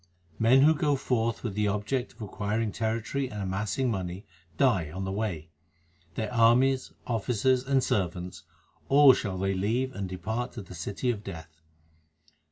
Men who go forth with the object of acquiring territory and amassing money, die on the way. Their armies, officers, and servants all shall they leave and depart to the city of Death.